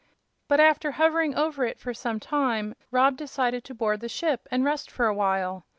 But after hovering over it for some time Rob decided to board the ship and rest for a while.